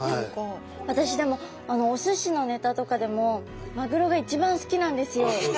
私でもお寿司のネタとかでもマグロが一番好きなんですよ。